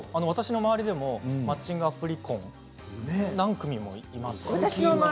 私の周りでもマッチングアプリ婚何人もいます。